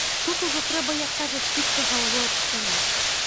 Тут ужо трэба, як кажуць, біцца галавой аб сцяну.